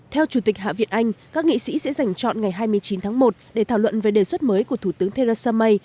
theo chủ tịch hạ viện anh các nghị sĩ sẽ giành chọn ngày hai mươi chín tháng một để thảo luận về đề xuất mới của thủ tướng theresa may